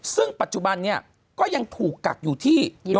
ซึ่งปัจจุบันนี้ก็ยังถูกกักอยู่ที่